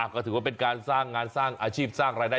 ก็ถือว่าเป็นการสร้างงานสร้างอาชีพสร้างรายได้